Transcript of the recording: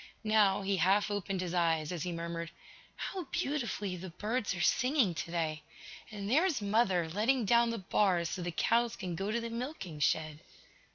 Now, he half opened his eyes, as he murmured: "How beautifully the birds are singing today! And there's mother, letting down the bars so the cows can go to the milking shed!"